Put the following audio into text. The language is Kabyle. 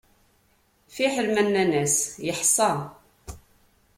Fiḥel ma nnan-as, yeḥṣa.